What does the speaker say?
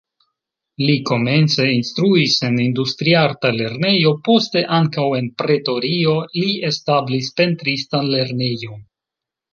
Li komence instruis en industriarta lernejo, poste ankaŭ en Pretorio li establis pentristan lernejon.